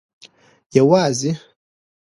یوازي